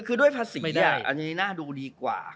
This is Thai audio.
คือด้วยภาษีเนี่ยอันนี้น่าดูดีกว่า